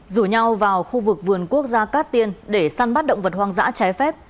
rủ nhau vào khu vực vườn quốc gia cát tiên để săn bắt động vật hoang dã trái phép